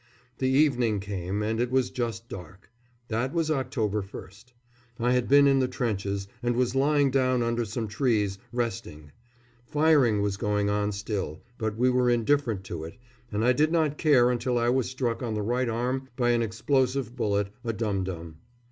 The evening came, and it was just dark. That was October 1st. I had been in the trenches, and was lying down under some trees, resting. Firing was going on still, but we were indifferent to it, and I did not care until I was struck on the right arm by an explosive bullet, a dum dum.